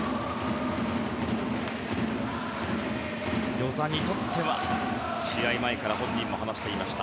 與座にとっては試合前から本人も話していました